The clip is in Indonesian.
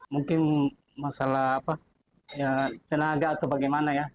mungkin masalah tenaga atau bagaimana ya